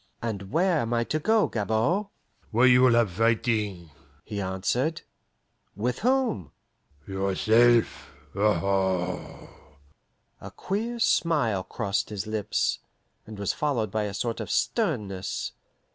"And where am I to go, Gabord?" "Where you will have fighting," he answered. "With whom?" "Yourself, aho!" A queer smile crossed his lips, and was followed by a sort of sternness.